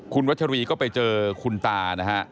คุณวัชรีก็ไปเจอคุณตานะฮะ